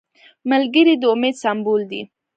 ملګری د امید سمبول دی